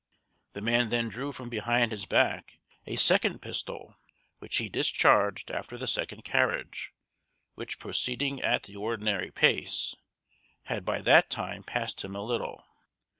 The man then drew from behind his back a second pistol, which he discharged after the second carriage, which proceeding at the ordinary pace, had by that time passed him a little.